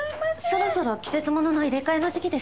そろそろ季節物の入れ替えの時期ですよね。